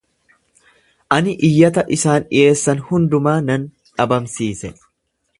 Ani iyyata isaan dhiyeessan hundumaa nan dhabamsiise.